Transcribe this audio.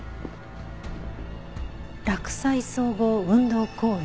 洛西総合運動公園。